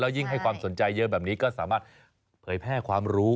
ยิ่งให้ความสนใจเยอะแบบนี้ก็สามารถเผยแพร่ความรู้